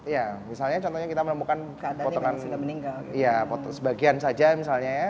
ya misalnya kita menemukan sebagian saja misalnya ya